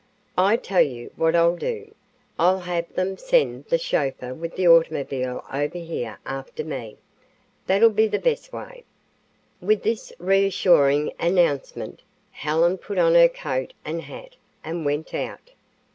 "I tell you what I'll do I'll have them send the chauffeur with the automobile over here after me. That'll be the best way." With this reassuring announcement, Helen put on her coat and hat and went out.